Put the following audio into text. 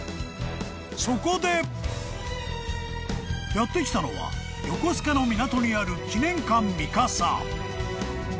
［そこでやって来たのは横須賀の港にある］